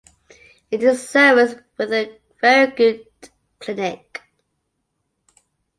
It is serviced with a very good clinic.